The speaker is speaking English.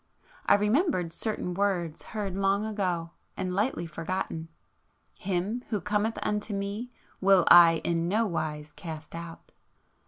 I remembered certain words heard long ago, and lightly forgotten. "Him who cometh unto Me will I in no wise cast out."